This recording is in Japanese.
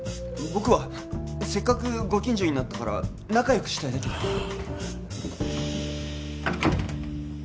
僕はせっかくご近所になったから仲良くしたいだけで。